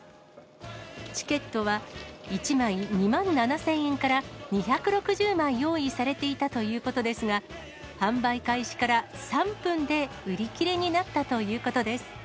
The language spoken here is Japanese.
チケットは１枚２万７０００円から２６０枚用意されていたということですが、販売開始から３分で売り切れになったということです。